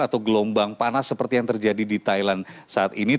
atau gelombang panas seperti yang terjadi di thailand saat ini